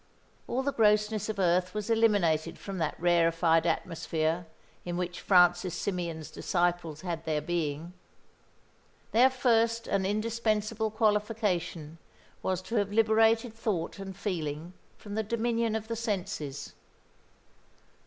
All the grossness of earth was eliminated from that rarefied atmosphere in which Francis Symeon's disciples had their being. Their first and indispensable qualification was to have liberated thought and feeling from the dominion of the senses.